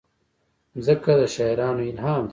مځکه د شاعرانو الهام ده.